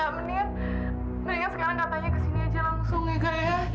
mendingan sekarang kasihi katanya langsung ya